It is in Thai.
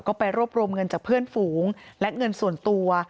ก็ไปรวบรวมเงินจากเพื่อนฝูงและเงินส่วนตัว